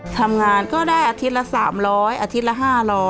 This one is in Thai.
ทำงานก็ได้อาทิตย์ละ๓๐๐อาทิตย์ละ๕๐๐